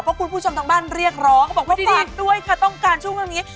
เพราะคุณผู้ชมทางบ้านเรียกร้องเขาบอกว่าฝากด้วยค่ะต้องการช่วงเรื่องนี้